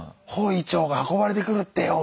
「許医長が運ばれてくるってよ！」